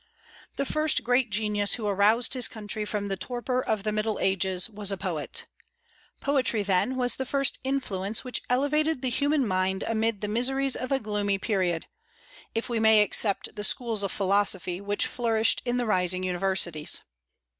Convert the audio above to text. The first great genius who aroused his country from the torpor of the Middle Ages was a poet. Poetry, then, was the first influence which elevated the human mind amid the miseries of a gloomy period, if we may except the schools of philosophy which flourished in the rising universities.